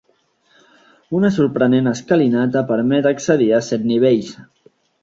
Una sorprenent escalinata permet accedir a set nivells.